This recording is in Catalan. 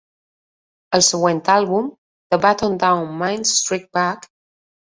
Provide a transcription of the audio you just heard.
El següent àlbum, The Button-Down Mind Strikes Back!